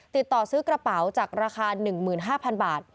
ติดต่อซื้อกระเป๋าจากราคา๑๕๐๐๐บาท